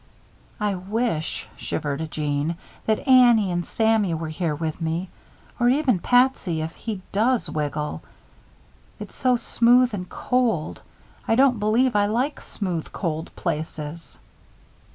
"I wish," shivered Jeanne, "that Annie and Sammy were here with me or even Patsy, if he does wiggle. It's so smooth and cold. I don't believe I like smooth, cold places."